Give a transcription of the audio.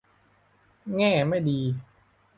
แง่ไม่ดี